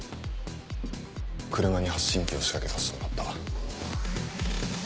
車に発信機を仕掛けさせてもらった。